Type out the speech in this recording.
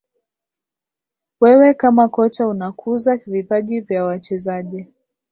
wewe kama kocha unakuza vipaji vya wachezaji